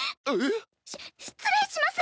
し失礼します